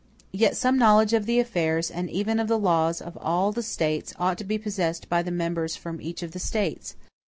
Yet some knowledge of the affairs, and even of the laws, of all the States, ought to be possessed by the members from each of the States.